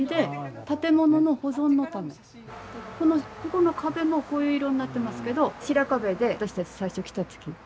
ここの壁もこういう色になってますけど白壁で私たち最初来た時。